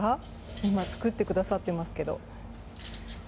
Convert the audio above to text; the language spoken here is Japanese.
今作ってくださっていますけど。